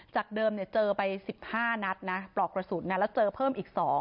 จากเดิมเจอไป๑๕นัดนะปลอกกระสุนแล้วเจอเพิ่มอีก๒